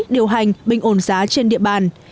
điều hành bình ổn giá trên địa bàn